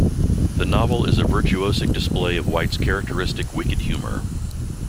The novel is a virtuosic display of White's characteristic "wicked" humour.